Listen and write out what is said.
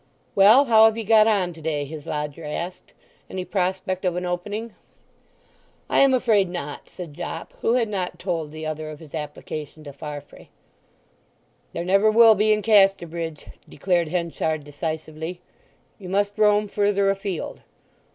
"Well, how have ye got on to day?" his lodger asked. "Any prospect of an opening?" "I am afraid not," said Jopp, who had not told the other of his application to Farfrae. "There never will be in Casterbridge," declared Henchard decisively. "You must roam further afield."